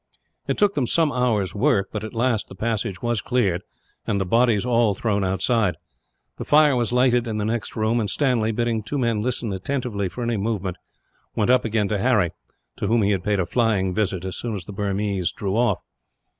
It took them some hours' work but, at last, the passage was cleared, and the bodies all thrown outside. The fire was lighted in the next room; and Stanley, bidding two men listen attentively for any movement, went up again to Harry to whom he had paid a flying visit, as soon as the Burmese drew off.